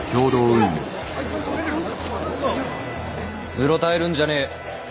うろたえるんじゃねぇ！